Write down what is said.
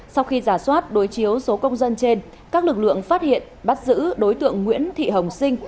sau khi giả soát đối chiếu số công dân trên các lực lượng phát hiện bắt giữ đối tượng nguyễn thị hồng sinh